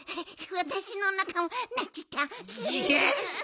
わたしのおなかもなっちゃった！